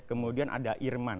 kemudian ada irman